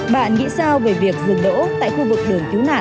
bạn nghĩ sao về việc dừng đỗ tại khu vực đường cứu nạn